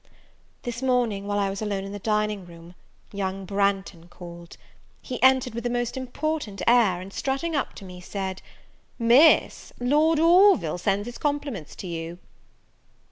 This morning, while I was alone in the dining room, young Branghton called. He entered with a most important air; and, strutting up to me, said, "Miss, Lord Orville sends his compliments to you."